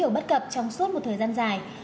điều bất cập trong suốt một thời gian dài